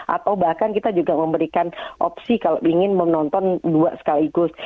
atau bahkan kita juga memberikan opsi kalau ingin menonton dua sekaligus